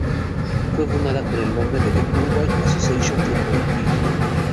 Fue fundada con el nombre de "The Uruguay Association Football League".